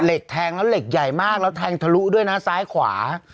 แทงแล้วเหล็กใหญ่มากแล้วแทงทะลุด้วยนะซ้ายขวา